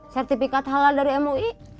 sertifikat halal dari mui